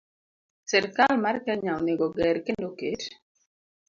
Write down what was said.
Sirkal mar Kenya onego oger kendo oket